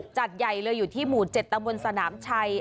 จัดใหญ่เลยอยู่ที่หมูเจ็ดตะบุญสนามไชย